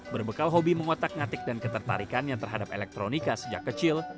berbekal hobi mengotak ngatik dan ketertarikannya terhadap elektronika sejak kecil